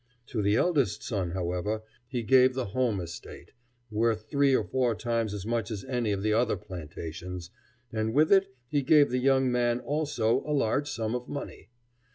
To the eldest son, however, he gave the home estate, worth three or four times as much as any of the other plantations, and with it he gave the young man also a large sum of money.